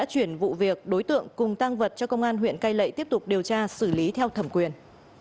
chuyển vụ việc đối tượng cùng tăng vật cho công an huyện cai lệ tiếp tục điều tra xử lý theo thẩm quyền